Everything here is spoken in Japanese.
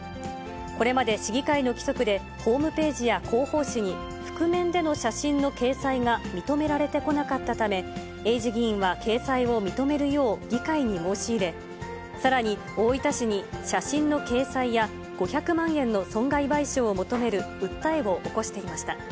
これまで市議会の規則で、ホームページや広報誌に覆面での写真の掲載が認められてこなかったため、エイジ議員は掲載を認めるよう、議会に申し入れ、さらに、大分市に写真の掲載や５００万円の損害賠償を求める訴えを起こしていました。